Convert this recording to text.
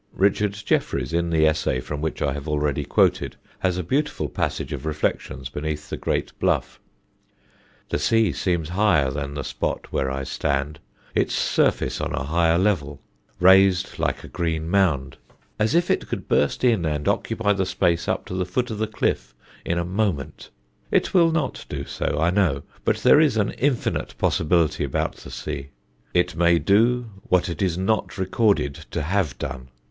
Richard Jefferies, in the essay from which I have already quoted, has a beautiful passage of reflections beneath the great bluff: "The sea seems higher than the spot where I stand, its surface on a higher level raised like a green mound as if it could burst in and occupy the space up to the foot of the cliff in a moment. It will not do so, I know; but there is an infinite possibility about the sea; it may do what it is not recorded to have done.